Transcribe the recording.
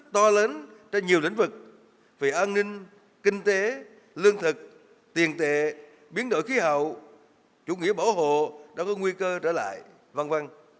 tiền tệ biến đổi khí hậu chủ nghĩa bảo hộ đã có nguy cơ trở lại v v